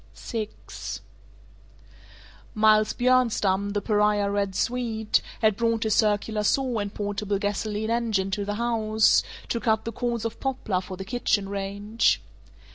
VI Miles Bjornstam, the pariah "Red Swede," had brought his circular saw and portable gasoline engine to the house, to cut the cords of poplar for the kitchen range.